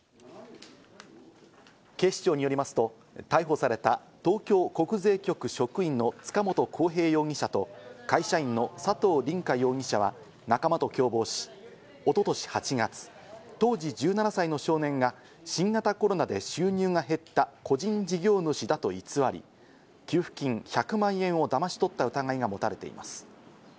警視庁によりますと、逮捕された東京国税局職員の塚本晃平容疑者と会社員の佐藤凜果容疑者は仲間と共謀し、一昨年８月、当時１７歳の少年が新型コロナで収入が減った個人事業主だと偽り、給付金１００万円をだまし取った疑いが持たれています。